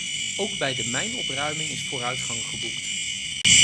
Ook bij de mijnopruiming is vooruitgang geboekt.